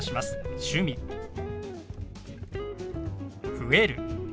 「増える」。